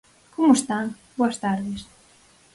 Como están? Boas tardes.